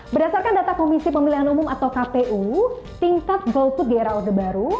berdasarkan data komisi pemilihan umum atau kpu tingkat golput di era orde baru